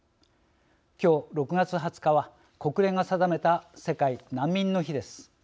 今日６月２０日は国連が定めた世界難民の日です。